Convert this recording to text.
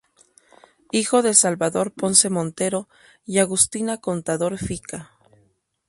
Hijo de Salvador Ponce Montero y Agustina Contador Fica.